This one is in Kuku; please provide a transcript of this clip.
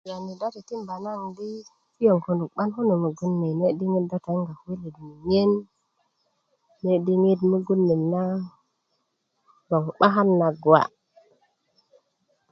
yani do titimba di piyoŋ könuk 'ban könuk mugun ni ne' diŋit to toyiŋga kuwe ne mimiyen nene' diŋit mugun net na gboŋ 'bakan na guwa'